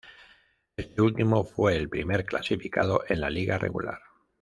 Este último fue el primer clasificado en la liga regular.